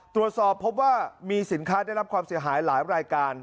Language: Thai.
ตรวจสอบพบว่ามีสินค้าได้รับความเสียหายหลายรายการ